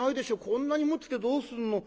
こんなに持っててどうするの。